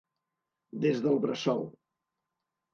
Des del bressol.